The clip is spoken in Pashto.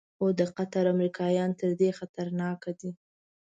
خو د قطر امریکایان تر دې خطرناک دي.